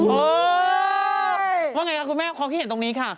ว่าอย่างไรครับคุณแม่ความคิดเห็นตรงนี้ค่ะ